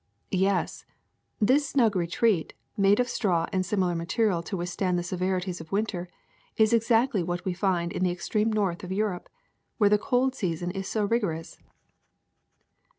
'' "Yes, this snug retreat, made of straw and similar material to withstand the severities of winter, is ex actly what WQ find in the extreme north of Europe, where the cold season is so rigorous.